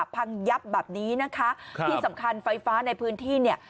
พังยับแบบนี้นะคะที่สำคัญไฟฟ้าในพื้นที่เนี่ย